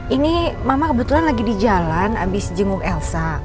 ini mama kebetulan lagi di jalan abis jenguk elsa